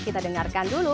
kita dengarkan dulu